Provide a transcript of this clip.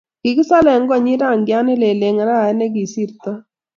Kikisale konyi rangchat ne lel eng arawet ne kisirtoi